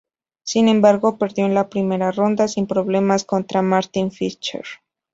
Sin embargo, perdió en la primera ronda sin problemas contra Martin Fischer.